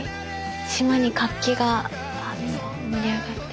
島に活気が盛り上がって。